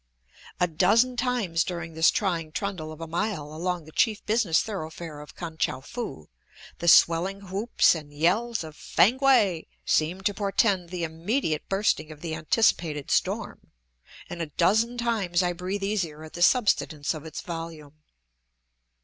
A dozen times during this trying trundle of a mile along the chief business thoroughfare of Kan tchou foo, the swelling whoops and yells of "Fankwae" seem to portend the immediate bursting of the anticipated storm, and a dozen times I breathe easier at the subsidence of its volume.